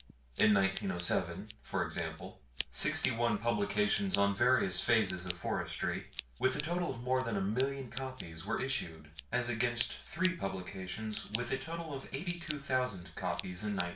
In 1907, for example, sixty one publications on various phases of forestry, with a total of more than a million copies, were issued, as against three publications, with a total of eighty two thousand copies, in 1901.